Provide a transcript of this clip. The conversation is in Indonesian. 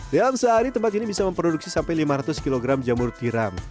dalam sehari tempat ini bisa memproduksi sampai lima ratus kg jamur tiram